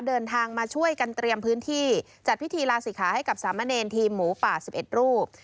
เดินทางมาช่วยกันเตรียมพื้นที่จัดพิธีลาศิขาให้กับสามเณรทีมหมูป่า๑๑รูป